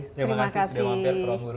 terima kasih sudah mampir perang guru